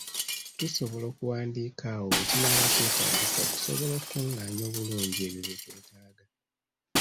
Tusuubira okuwandiika awo wekinaaba kyetaagisizza okusobola okukungaanya obulungi ebyo bye twetaaga.